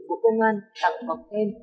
của công an tặng phẩm thêm